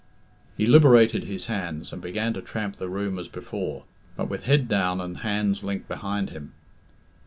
He liberated his hands, and began to tramp the room as before, but with head down dud hands linked behind him.